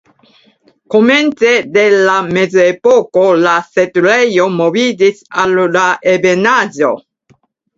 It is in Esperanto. Komence de la Mezepoko la setlejo moviĝis al la ebenaĵo.